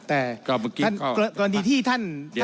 แต่ก่อนดีที่ท่าน